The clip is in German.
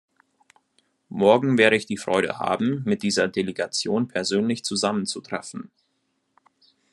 Morgen werde ich die Freude haben, mit dieser Delegation persönlich zusammenzutreffen.